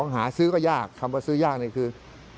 หาซื้อก็ยากคำว่าซื้อยากนี่คือ